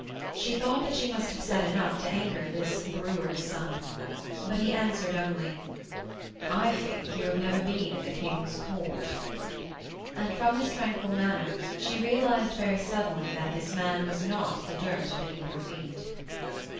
She thought that she must have said enough to anger this brewer's son. But he answered only: 'I think you have never been in the King's court' and, from his tranquil manner, she realised very suddenly that this man was not the dirt beneath her feet.